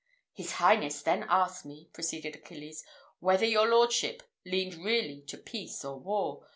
"His highness then asked me," proceeded Achilles, "whether your lordship leaned really to peace or war.